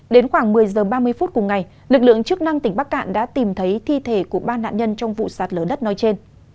đến khoảng một mươi h ba mươi phút cùng ngày lực lượng chức năng tỉnh bắc cạn đã tìm thấy thi thể của ba nạn nhân trong vụ sạt lở đất nói trên